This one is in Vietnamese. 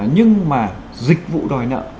nhưng mà dịch vụ đòi nợ